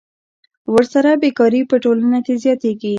ورسره بېکاري په ټولنه کې زیاتېږي